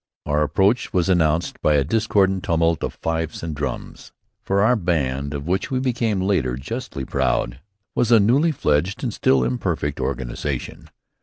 Our approach was announced by a discordant tumult of fifes and drums, for our band, of which later, we became justly proud, was a newly fledged and still imperfect organization.